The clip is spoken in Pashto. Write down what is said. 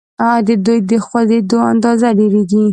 د دوی د خوځیدو اندازه ډیریږي.